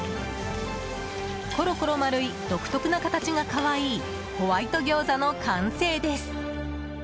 ころころ丸い独特な形が可愛いホワイト餃子の完成です。